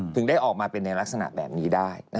ถึงได้ออกมาเป็นในลักษณะแบบนี้ได้